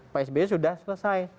pak sby sudah selesai